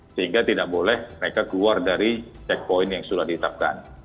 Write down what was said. sehingga tidak boleh mereka keluar dari checkpoint yang sudah ditetapkan